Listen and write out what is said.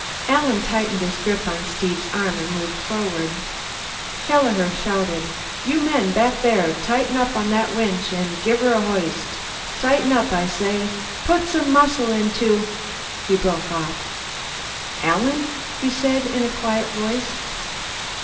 Alan tightened his grip on Steve's arm and moved forward. Kelleher shouted, "You men back there, tighten up on that winch and give 'er a hoist! Tighten up, I say! Put some muscle into " He broke off. "Alan," he said, in a quiet voice.